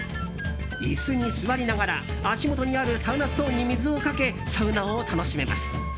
椅子に座りながら足元にあるサウナストーンに水をかけサウナを楽しめます。